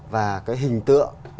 và cái hình tượng